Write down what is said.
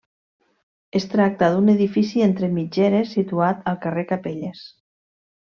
Es tracta d'un edifici entre mitgeres situat al carrer Capelles.